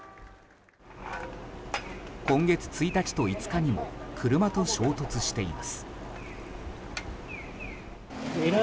今月１日と５日にも車と衝突しています。